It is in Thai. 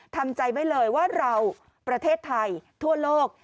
ทำใจไว้เลยว่าเราประเทศไทยทั่วโลก